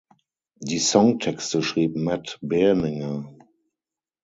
Die Songtexte schrieb Matt Berninger.